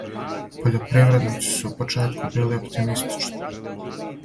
Пољопривредници су у почетку били оптимистични.